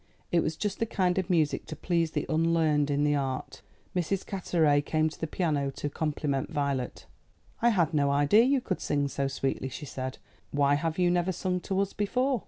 It was just the kind of music to please the unlearned in the art. Mrs. Carteret came to the piano to compliment Violet. "I had no idea you could sing so sweetly," she said. "Why have you never sung to us before?"